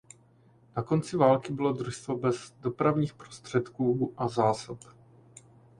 Na konci války bylo družstvo bez dopravních prostředků a zásob.